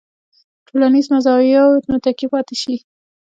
ټولنیزو مزایاوو متکي پاتې شي.